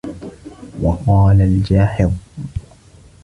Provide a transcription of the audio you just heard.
وَقَالَ الْجَاحِظُ